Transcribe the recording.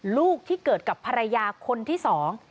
ลูกที่เกิดกับภรรยาคนที่สอง